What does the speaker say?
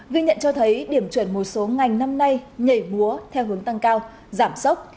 ghi nhận cho thấy điểm chuẩn một số ngành năm nay nhảy múa theo hướng tăng cao giảm sốc